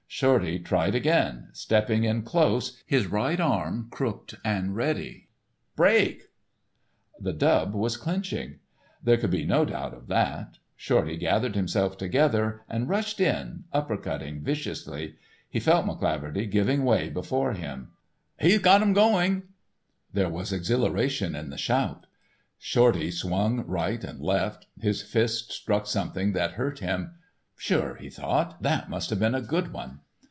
Shorty tried again, stepping in close, his right arm crooked and ready. "Break!" The dub was clinching. There could be no doubt of that. Shorty gathered himself together and rushed in, upper cutting viciously; he felt McCleaverty giving way before him. "He's got um going." There was exhilaration in the shout. Shorty swung right and left, his fist struck something that hurt him. Sure, he thought, that must have been a good one.